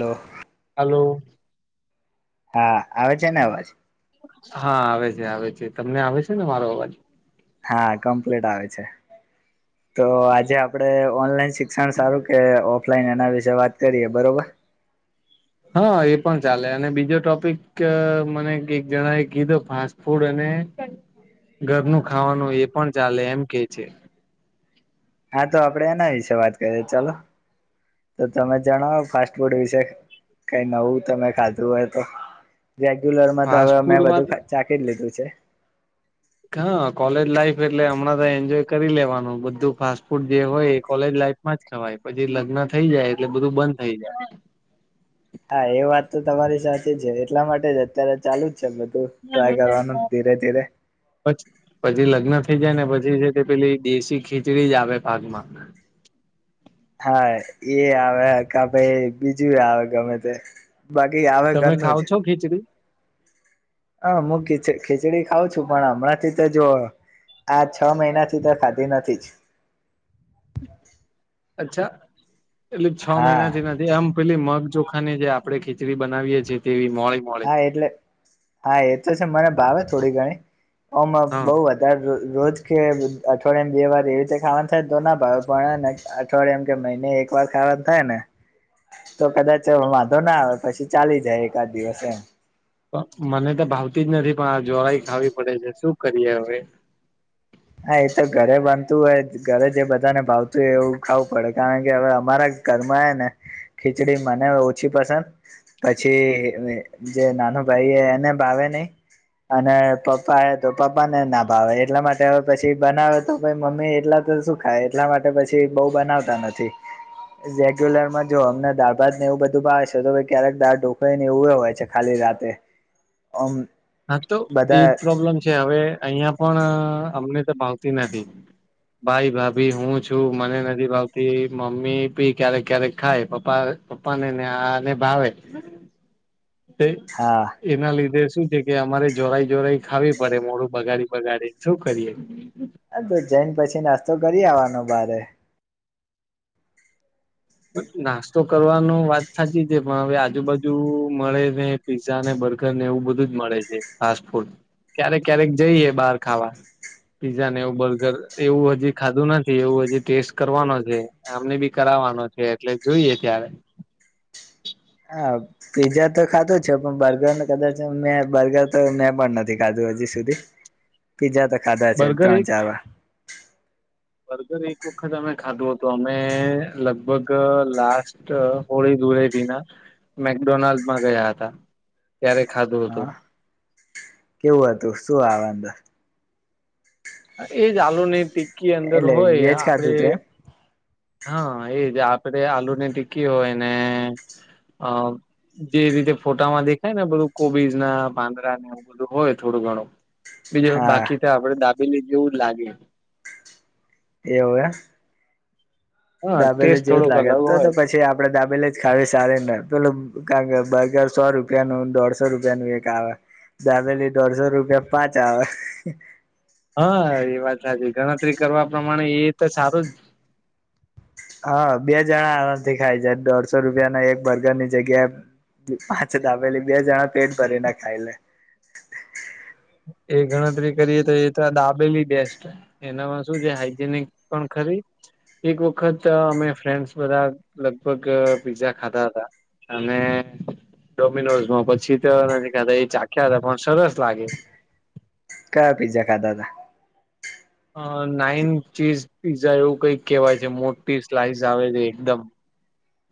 હાલો. Hello. હા, આવે છે ને, અવાજ? હા, આવે છે, આવે છે, તમને આવે છે, ને મારો અવાજ? હા, કમ્પ્લીટ આવે છે. [unintelligible] તો આજે આપડે ઓનલાઈન શિક્ષણ સારું કે ઓફલાઈન એના વિશે વાત કરીએ, બરોબર. હા, એ પણ ચાલે, અને બીજો ટોપિક મને એક જણાએ કીધો. ફૂડ અને ઘરનું ખાવાનું એ પણ ચાલે એમ કેઈ છે. હા, તો આપડે એના વિશે વાત કરીએ, ચાલો તો તમે જણાવો ફાસ્ટ ફૂડ વિશે? કઈ નવું, તમે ખાધું હોય તો. રેગ્યુલર માં તો, હવે ફાસ્ટ મે બધું ફૂડમાં ચાખી જ લીધું છે. હા, કોલેજ લાઈફ એટલે હમણાં તો એન્જોય કરી લેવાનું, બધું ફાસ્ટ ફૂડ જે હોય, એ કોલેજ લાઈફ જ ખવાય, પછી લગ્ન થઈ જાય, એટલે બધું બંધ થઈ જાય. હા, એ વાત તો તમારી સાચી છે, એટલા માટે જ અત્યારે ચાલુ જ. છે. બધું ટ્રાય કરવાનું ધીરે-ધીરે. પછી પછી લગ્ન થઈ જાય ને, પછી છે તે, પેલી દેશી ખીચડી જ આવે પાકમાં. હા, એ આવે કે, ભાઈ બીજું આવે, ગમે તે. બાકી. તમે ઘરનું ખાવ છો? ખીચડી. હ હું ખીચ ખીચડી ખાઉં છું પણ હમણાં થી તો જો આ છ મહિનાથી તો ખાધી નથી જ અચ્છા એટલે છ હા મહિનાથી નથી આમ પેલી મગ ચોખા ની જે આપડે ખીચડી બનાવીએ છીએ તેવી મોડી મોડી હા એટલે હા એ તો છે મને ભાવે થોડી ઘણી ઓમ બહ હા વધારે ત્યારે રોજ કે અઠવાડિયેને બે વાર એવી રીતે ખાવાનું થાય તો ના ભાવ પણ અઠવાડિયામાં કે મહિને એકવાર ખાવાનું થાય ને તો કદાચ વાંધો ના આવે પછી ચાલી જાય એકાદ દિવસ એમ મને તો ભાવતી જ નથી પણ આ જો હોય ખાવી પડે છે શું કરીએ હવે હા એ તો ઘરે બનતું હોય ઘરે જે બધાને ભાવતું હોય એવું ખાવું પડે કારણ કે હવે અમારા કરમાય ને ખીચડી મને ઓછી પસંદ પછી જે નાનો ભાઈ એને ભાવે નહિ અને પપ્પા આવે તો પપ્પા ને ના ભાવે એટલા માટે વે પછી બનાવે તો મમ્મી એખલા તો શું ખાય એટલા માટે પછી બઉ બનાવતા નથી. રેગ્યુલરમાં જો અમને દાળ ભાત ને એવું બધું ભાવે છે તો ક્યારેક દાળ ઢોકળી ને એવું હોય છે. ખાલી રાતે ઓમ હા તો એજ પ્રોબ્લેમ છે હવે અહિયાં પણ અમને તો ભાવતી નથી. ભાઈ ભાભી હું છું મને નથી ભાવતી મમ્મી ભી ક્યારેક ક્યારેક ખાય પપ્પા પપ્પા ને ને આને ભાવે હા એના લીધે શું છે કે અમારે જોરાઈ જોરાઈ ખાવી પડે મોડું બગાડી બગાડી ને શું કરીએ હા તો જઈને પછી નાસ્તો કરી આવવાનો બારે નાસ્તો કરવાનું વાત સાચી છે પણ હવે આજુબાજુ મળે ને પીઝા ને બર્ગર ને એવું બધું જ મળે છે ફાસ્ટ ફૂડ ક્યારેક ક્યારેક જઈએ બહાર ખાવા પીઝા ને એવું બર્ગર એવું હજી ખાધું નથી એવું હજી ટેસ્ટ કરવાનો છે. આમને બી કરાવવાનો છે એટલે જોઈએ ત્યારે હા પીઝા તો ખાધું છે પણ બર્ગર ને કદાચ મેં બર્ગર તો મેં પણ નથી ખાધું હજી સુધી [inaudible] પીઝા તો ખાધા છે બર્ગર ત્રણ એક ચાર વાર બર્ગર એક વખત અમે ખાધું હતો અમે લગભગ લાસ્ટ હોળી ધુળેટીના મેકડોનાલ્ડમાં ગયા હતા. ત્યારે ખાધું હા હતું. કેવું હતું શું આવે અંદર એ જાલુ નહી ટીકી અંદર એટલે હોય વેજ આપડે ખાધું તું એમ હા એજ આપડે આલુની ટીકી હોય ને અ જે રીતે ફોટામાં દેખાય ને બધું કોબીજ ના પાંદરાને એવું બધું હોય થોડું ઘણું બીજું હા બાકી તો આપડે દાબીની જેવું જ લાગે એવવે હા દાબેલે ટેસ્ટ જેવું જ થોડોક લાગે અલગ તો તો હોય પછી આપડે દાબેલે ખાવ સારી ના પે ક બગર સો રૂપિયાનું દોઢસો રૂપિયાનુંું એક આવે જાબેલી દોઢસો રૂપિયા પાંચ આવે હા એ વાત સાચી ગણતરી કરવા પ્રમાણે એ તો સારું જ હા બે જણા આનાથી ખાય છે, દોઢસો રૂપિયાના એક બર્ગરની જગ્યા પાછ દાબેલી બે જણા પેટ ભરે ના ખાયલે. એ ગણતરી કરીએ તો એ તો દાબેલી બેસ્ટ હો. એનામાં શું છે હાઈજેનિક પણ ખરી એક વખત અમે ફ્રેન્ડસ બધા લગભગ પીઝા ખાતા હતા. અને ડોમિનોઝમાં પછી તો એ ચાખ્યા હતા પણ સરસ લાગે. ક પિઝ્ઝા ખાધા હતા? અ નાઈન ચીઝ પીઝા એવું કઈક કેહેવાય છે મોટી સ્લાઇસ આવે છે એકદમ.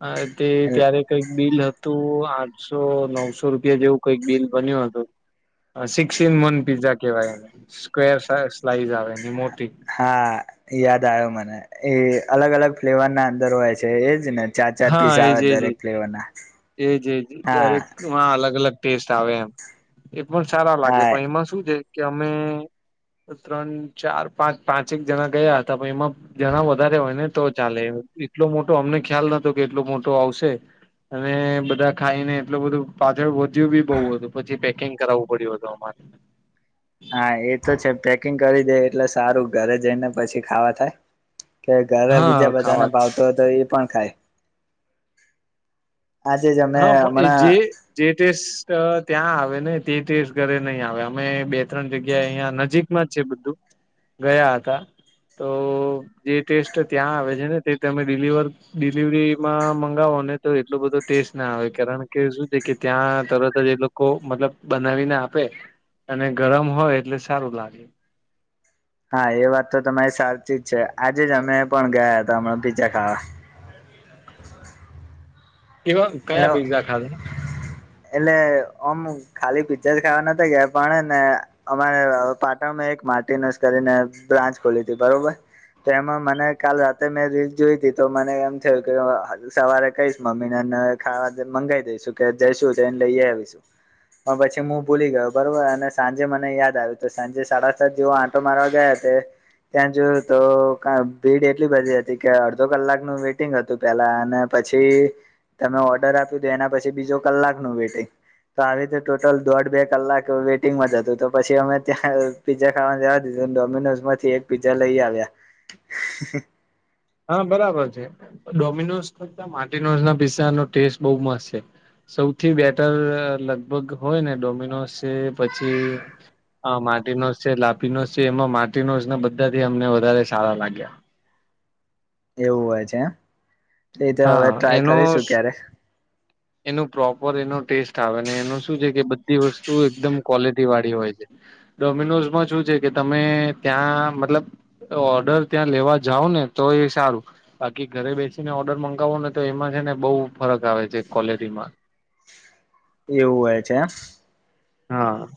હા તે ત્યારે કઈક બિલ હતું આઠસો નવસો રૂપિયા જેવું કઈક બિલ બન્યું હતું. સિક્સન મન પીઝ્ઝા કેવાય એને સ્વેર સ્લાઈઝ આવે એની મોટી. હા યાદ આવ્યો મને એ અલગ અલગ ફ્લેવર ના અંદર હોય છે એજ ને? ચાર ચાર હા પીસ એજ આવે એજ એજ, દરેક ફ્લેવર ના એજ એજ, હા દરેક માં અલગ અલગ ટેસ્ટ આવે એમ. એ પણ સારા લાગે હા પણ એમાં શું છે કે અમે ત્રણ ચાર પાંચ પાંચક જણા ગયા હતા પણ એમાં જણા વધારે હોય ને તો ચાલે એટલો મોટો અમને ખ્યાલ નતો કે એટલો મોટો આવશે. અને બધા ખાઈ ને એટલું બધું પાછળ વધ્યું બી બઉ હતું પછી પેકિંગ કરાવવું પડ્યું હતું અમારે. હા એ તો છે પેકિંગ કરી દે એટલે સારું ઘરે જઈને પછી ખાવા થાય. કે ઘરે હા બીજા બધાને ખાવા ભાવતો હતો એ પણ ખાય. આજે જ અમે હા પણ હમણાં જે જે ટેસ્ટ ત્યાં આવે ને તે ટેસ્ટ ઘરે નહીં આવે અમે બે ત્રણ જગ્યા અહિયાં નજીક છે બધું, ગયા હતા તો જે ટેસ્ટ ત્યાં આવે છે ને તે તમે ડિલવર ડિલિવરીમાં મંગાવો ને તો એટલું બધું ટેસ્ટ ના આવે કારણ કે શું છે કે ત્યાં તરત જ જે લોકો મતલબ બનાવીને આપે અને ગરમ હોય એટલે સારું લાગે. હા એ વાત તો તમારી સાચી જ છે આજે જ અમે પણ ગયા હતા હમણાં પીઝા ખાવા. કેવા કયા એટલે પીઝા ખાધા? એટલે ઓમ ખાલી પીજા જ ખાવા નથી ગયા પણ એને અમારે પાટણમાં એક માટીનસ કરીને બ્રાન્ચ ખોલી હતી બરોબર. તો એમાં મને કાલ રાતે મેં રીઝ જોઈ તી તો મને એમ થયું કે સવારે કઈશ મમ્મી ને તો ખાવા જે મંગાવ દઈશું કે જઈશું તો એને લઈ આવીશું. પણ પછી હું ભૂલી ગયો બરોબર અને સાંજે મને યાદ આવ્યું તો સાંજે સાડા સાત જેવુ તો મારા ગયા તે ત્યાં જોયું તો કા ભીડ એટલી બધી હતી કે અડધો કલાક નું વેઇટિંગ હતું. પેલા અને પછી તમે ઓર્ડર આપ્યું તો એના પછી બીજો કલાક નું વેટિંગ તો આવી રીતે ટોટલ દોઢ બે કલાક વેઇટિંગમાં જ હતું તો પછી અમે ત્યાં પીઝા ખાવા જવા દીધું ડોમિનોઝ માંથી એક પીઝા લઈ આવ્યા. હા બરાબર છે ડોમિનોઝ કરતા માર્ટિનોઝ ના પિઝા નો ટેસ્ટ બવ મસ્ત છે. સૌથી બેટર લગભગ હોય ને ડોમિનોસ છે પછી હ માટીનોસ છે લાપીનો છે એમાં માટીનો બધાથી અમને વધારે સારા લાગ્યા. એવું હોય છે એમ, એતે હવે હા ટ્રાય કરીશું ક્યારેક. એનો પ્રોપર એનો ટેસ્ટ આવે ને એનો શું છે કે બધી વસ્તુ એકદમ ક્વોલિટી વાળી હોય છે. ડોમિનોઝમાં શું છે કે તમે ત્યાં મતલબ ઓર્ડર ત્યાં લેવા જાવ ને તો એ સારું બાકી ઘરે બેસીને ઓ ઓર્ડર મગાવો ને, તો એમાં છે ને, બહુ ફરક આવે છે ક્વોલિટીમાં. એવું હોય છે. હા.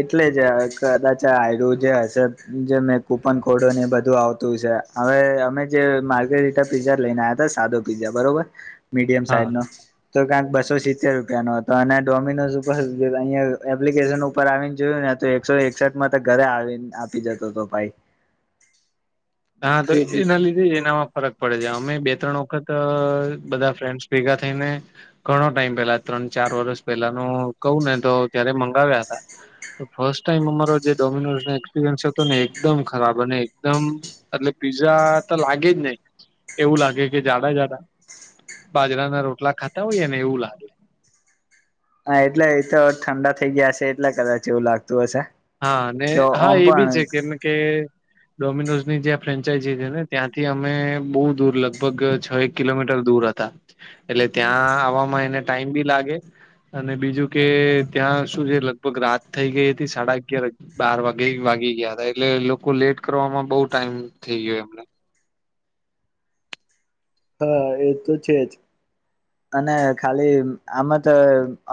એટલે જ કદાચ આ જે હશે, જે મેં કુપન કોડો ને, એ બધું આવતું છે. હવે અમે જે માર્કેટ રીતે પીઝા લઈને આવ્યા હતા, સાદો પીઝા બરોબર. મીડિયમ હા. સાઈઝ નો. તો ક્યાંક બસો સિત્તેર રૂપિયા નો હતો, અને ડોમિનોઝ ઉપર અહીંયા એપ્લિકેશન આવીને જોયું ને, તો એકસો એકસઠ માં તો ઘરે આવી, આપી જતો હતો ભાઈ. હા, તો એ નલી ન [unintelligible] ફરક પડે છે, અમે બે-ત્રણ વખત બધા ફ્રેન્ડસ ભેગા થઈને. ઘણો ટાઈમ પેલા ત્રણ-ચાર વર્ષ પેલા ન કેવા ને, તો ત્યારે મંગાવ્યા હતા. ફર્સ્ટ ટાઈમ અમારો જે ડોમિનોઝ નો એક્સપિરિયન્સ હતો ને, એકદમ ખરાબ અને એકદમ એટલે પીઝા તો લાગે જ નહી, એવું લાગે કે, જાડા-જાડા. બાજરા ના રોટલા ખાતા હોય એ ને, એવું લાગે. હા, એટલે એ તો ઠંડા થઈ ગયા હ છે, એટલે કદાચ એવું લાગતું હશે. હા, અને કે હા, ઓમ એ બી પણ છે કેમ કે ડોમિનોઝ ની જ્યાં ફ્રેન્ચાઈઝ છે ને, ત્યાંથી અમે બઉુ દૂર લગભગ છ એક કિલોમીટર દૂર હતા, એટલે ત્યાં આવવામાં એને. ટાઈમ બી લાગે, અને બીજું કે ત્યાં શું છે, લગભગ રાત થઈ ગઈ હતી, સાડા ક્યારેક બાર વાગે વાગી ગયા હતા, એટલે લોકો લેટ કરવામાં બહુ ટાઈમ થઈ ગયો એમને. હા, એ તો છે જ. [unintelligible] અને ખાલી આમાં તો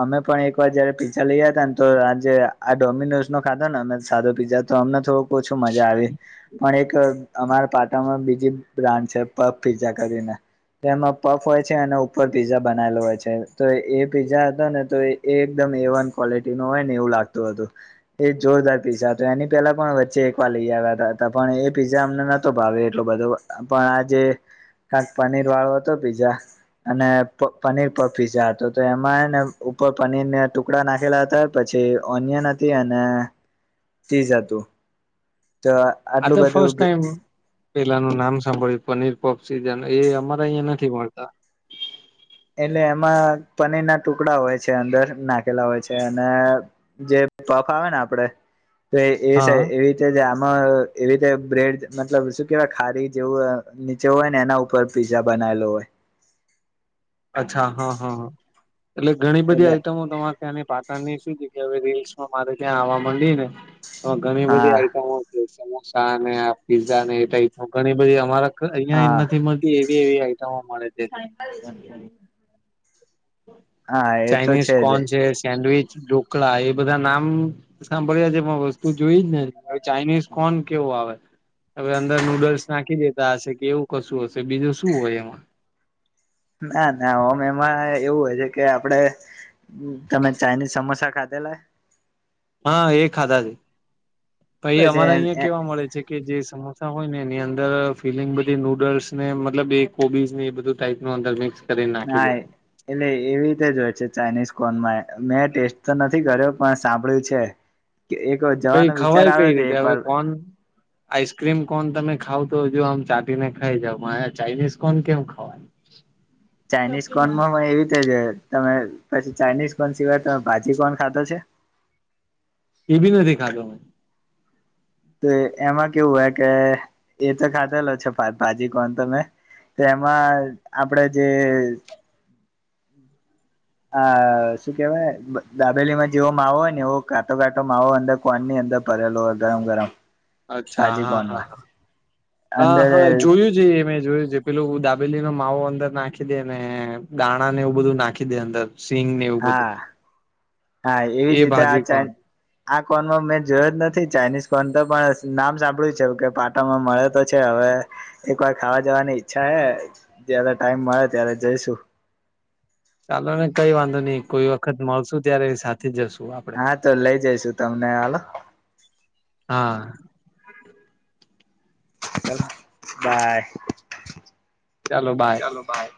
અમે પણ એક વાર જયારે પીજા લઈ હતા ને, તો આજે. આ ડોમિનોઝ નો ખાધોને, અ સાદો પીઝા તો અમને થોડુંક ઓછું મજા આવે. પણ એક અમારા પાટણમાં બીજી બ્રાન્ડ છે, પ ફીજા કરીને. તેમાં પફ હોય છે, અને ઉપર પીઝઝા બનાયલો હોય છે, તો એ પીઝા હતો ને તો એ. એ એકદમ એ વન ક્વોલિટી નું હોય ને, એવું લાગતું હતું. એ જોરદાર પીઝા હતો, એની પહેલા પણ વચ્ચે એક વાર લઈ આવ્યા હતા, પણ એ પીઝા અમને નતો ભાવે એટલો બધો. પણ આજે. પનીર વાળો હતો, પીઝા. અને પનીર પર પીઝા હતો તો, એમાં ને ઉપર પનીર ને ટ ટુકડા નાખેલા હતા, પછી ઓનિયન હતી, અને તીઝ હતું. તો આ આટલું તો બધું. ફર્સ્ટ ટાઈમ પેલાનું નામ સાંભળ્યું, પનીર પોપ સીજ એ અમારા અહિયાં નથી મળતા. એટલે એમાં પનીર ના ટુકડા હોય છે, અંદર નાખેલા હોય છે, અને જે પફ આવે ને, આપડે તો એ હા એવી આમાં એવી રીતે બ્રેડ મતલબ શું કેવાય, ખારી જેવું. જે હોય ને, એના ઉપર પીઝા બનાવેેલો હોય. અચ્છા, હા, હા, હા, એટલે ઘણી બધી એટલે આઈટમો તમારે ત્યા પાટણ ની શું છે કે, હવે રીલ્સમાં મારે ત્યાં આવવા માંડી ને, તો ઘણી બધી હા આઈટમો. સમોસા પીઝા ને, એ ટપ ઘણી બધી અમારા અહિયાં હા નથી મળતી. એવી એવી આઈટમો મળે છે. ચાલે છે જાય. એ તો ચાાઈનીઝ જ કોન છે, સેન્ડવીચ ઢોકળા એ, બધા નામ સાંભળ્યા જે વસ્તુ જોઈ જ ને, હ ચાઇનીઝ કોણ કેવો આવે. હવે અંદર નૂડલ્સ નાખી દેતા હશે કે એવું કશું હશે બીજું શું હોય એમાં. ના ના ઓમ એમાં એવું હોય છે કે આપડે તમે ચાઇનીઝ સમોસા ખાધેલા હા, એ ખાધા છે પઈ એ બસ અમારે અહિયાં કેવા ના મળે છે. કે જે સમોસા હોય ને એની અંદર ફિલિંગ બધી નૂડલ્સ ને મતલબ એ કોબીઝ ને એ બધું ટાઈપ નો અંદર જઈશ હા એ એટલે એવી રીતે જો હોય છે ચાઇનીઝ કોનમાં મેં ટેસ્ટ તો નથી કર્યો પણ સાંભળ્યું છે. કે એકજ પાઈ ખવાય કઈ રીતે હવે કોન આઈસ્ક્રીમ કોન તમે ખાવ તો જો આમ ચાટીને ખાઈ જાવ ચાઇનીઝ કોન કેમ ખાવ? ચાઇનીઝ કોનમાં માં એવી રીતે તમે પછી ચાાઈનીઝ કોન સિવાય તમે ભાજી કોણ ખાધા છે? એ બી નથી ખાતો મેં. તો એમાં કેવું હો કે એ તો ખાધેલો છે ભાજી કન તમે. તેમાં આપડે જે આ શું કેવાય દાબેલીમાં જેવો માવો હોય ને એવો કાટો કાટો માવો અંદર પકવાન ની અંદર ભરેલો હોય ગરમ ગરમ. અચ્છા ભાજી હા હા કોનમાં હા હા અંદર હા જોયું છે મેં જોયું છે. પેલું દાબેલી નો માવો અંદર નાખી દે ને દાણા ને એવું બધું નાખી દે અંદર. સિંઘને હા હા એવી જ એ રીતે આ ભાજી ચ કોણ આ કોનમાં મેં જોયો જ નથી ચાઇનીઝ કોન તો પણ નામ સાંભળ્યું છે કે પાટામાં મળે તો છે હવે એક વાર ખાવા જવાની ઈચ્છા હે જયારે ટાઈમ મળે ત્યારે જઈશું. ચાલો ને કઈ વાંધો નહી કોઈ વખત મળશું ત્યારે સાથે જશું આપડે. હા તો લઈ જઈશુ તમને હાલો. હા. ચાલો બાય. ચાલો બાય. ચાલો બાય.